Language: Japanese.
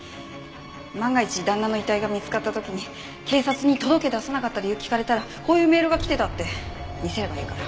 万が一旦那の遺体が見つかった時に警察に届け出さなかった理由聞かれたらこういうメールが来てたって見せればいいから。